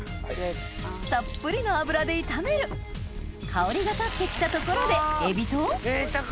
たっぷりの油で炒める香りが立ってきたところでぜいたく！